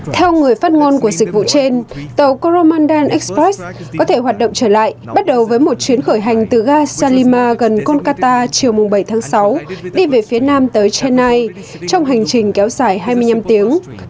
theo người phát ngôn của dịch vụ trên tàu coromandan express có thể hoạt động trở lại bắt đầu với một chuyến khởi hành từ ga salima gần konka chiều bảy tháng sáu đi về phía nam tới chenai trong hành trình kéo dài hai mươi năm tiếng